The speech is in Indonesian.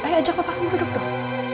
ayo ajak papa duduk duduk